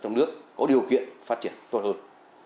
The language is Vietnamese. trong nước có điều kiện phát triển tốt hơn